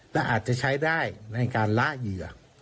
และอาจจะใช้ได้ในการละเหยื่อ